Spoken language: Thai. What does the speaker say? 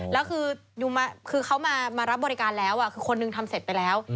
แล้วคือเขามารับบริการแล้วคือคนหนึ่งทำเสร็จไปแล้ว